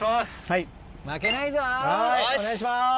はいお願いします。